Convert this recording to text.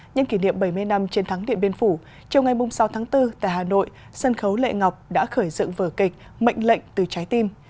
nhân kỷ niệm bảy mươi năm chiến thắng điện biên phủ chiều ngày sáu tháng bốn tại hà nội sân khấu lệ ngọc đã khởi dựng vở kịch mệnh lệnh từ trái tim